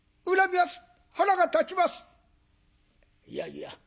「いやいや。